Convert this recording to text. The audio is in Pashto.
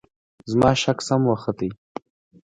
زما شک سم وخوت .